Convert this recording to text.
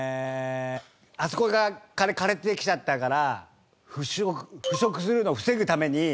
あそこが枯れてきちゃったから腐食するのを防ぐために。